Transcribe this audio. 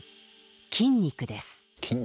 筋肉です。